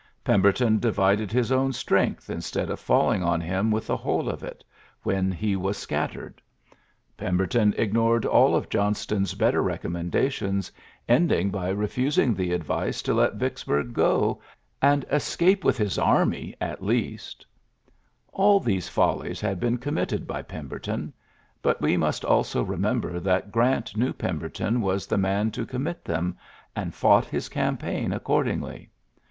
Pemberton divided his own strength instead of falling on him with the whole of it, when his was scat tered. Pemberton ignored all of John ston's better recommendations, ending ULYSSES S. GRANT 77 by refusing the advice to let Vicksburg go, and escape with his army at least All these follies had been committed by Pemberton ; but we must also remember that Grant knew Pemberton was the man to commit them, and fonght his campaign accordingly.